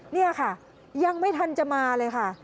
นี่ค่ะยังไม่ทันจะมาเลยค่ะ